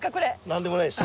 何でもないです。